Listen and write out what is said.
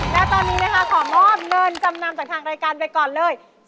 และตอนนี้นะคะขอมอบเงินจำนำจากทางรายการไปก่อนเลย